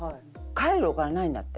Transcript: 帰るお金ないんだって。